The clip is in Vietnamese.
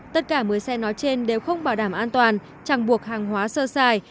tất cả một mươi xe nói trên đều không bảo đảm an toàn chẳng buộc hàng hóa sơ xài